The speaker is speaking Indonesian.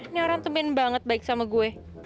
ini orang temen banget baik sama gue